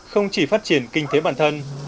không chỉ phát triển kinh thế bản thân